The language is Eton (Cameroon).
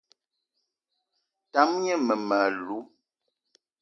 Tam gne mmem- alou